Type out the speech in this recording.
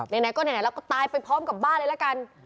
ไหนก็ไหนแล้วก็ตายไปพร้อมกับบ้านเลยละกัน